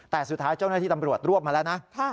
แต่สุดท้ายเจ้าหน้าที่ตำรวจรวบมาแล้วนะ